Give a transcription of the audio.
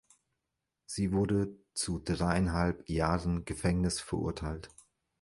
Sie wurde zu dreieinhalb Jahren Gefängnis verurteilt.